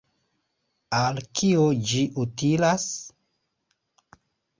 “Al kio ĝi utilas?